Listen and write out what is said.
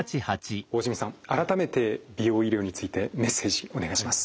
大慈弥さん改めて美容医療についてメッセージお願いします。